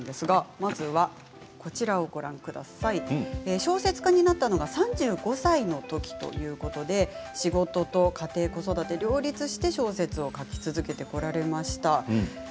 まずは、小説家になったのが３５歳のときということで仕事と家庭、子育てを両立して小説を書き続けてこられました。